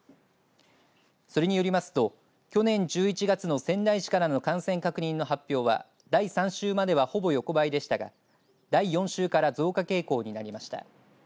それによりますと去年１１月の仙台市からの感染確認の発表は第３週まではほぼ横ばいでしたが第４週から増加傾向になりました。